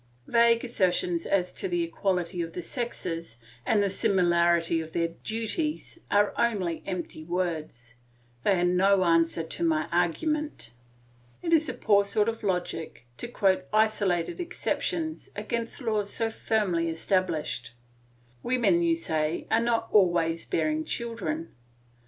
Vague assertions as to the equality of the sexes and the similarity of their duties are only empty words; they are no answer to my argument. It is a poor sort of logic to quote isolated exceptions against laws so firmly established. Women, you say, are not always bearing children.